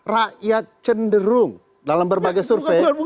rakyat cenderung dalam berbagai survei